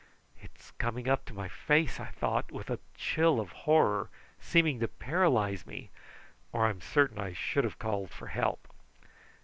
"It's coming up to my face," I thought with a chill of horror seeming to paralyse me, or I am certain that I should have called for help.